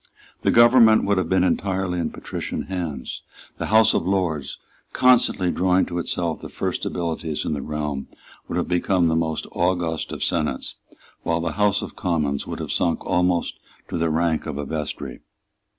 The government would have been entirely in patrician hands. The House of Lords, constantly drawing to itself the first abilities in the realm, would have become the most august of senates, while the House of Commons would have sunk almost to the rank of a vestry.